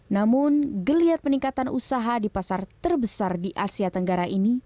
namun geliat peningkatan usaha di pasar terbesar di asia tenggara ini